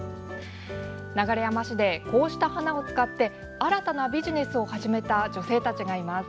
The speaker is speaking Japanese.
流山市でこうした花を使って新たなビジネスを始めた女性たちがいます。